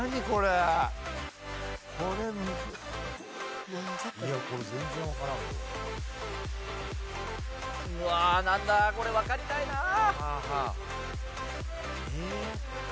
これわかりたいな。